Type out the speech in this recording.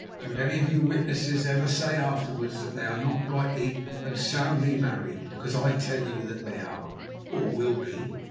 Don't any of you witnesses ever say afterwards that they are not rightly and soundly married, because I tell you that they are, or will be."